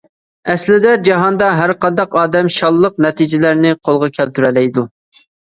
ئەسلىدە جاھاندا ھەر قانداق ئادەم شانلىق نەتىجىلەرنى قولغا كەلتۈرەلەيدۇ.